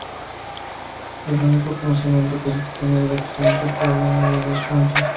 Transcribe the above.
El único conocimiento que se tiene del accidente proviene de dos fuentes.